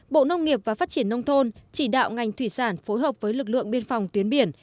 bộ nông nghiệp và phát triển nông thôn chỉ đạo ngành thủy sản phối hợp với lực lượng biên phòng tuyến biển